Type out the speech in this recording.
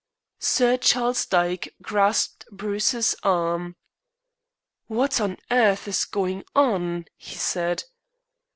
Sir Charles Dyke grasped Bruce's arm. "What on earth is going on?" he said.